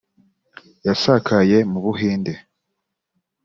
yasakaye mu Buhinde